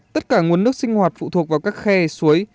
tất cả nguồn nước sinh hoạt phụ thuộc vào các khe suối